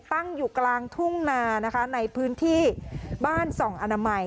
ตั้งอยู่กลางทุ่งนานะคะในพื้นที่บ้านส่องอนามัย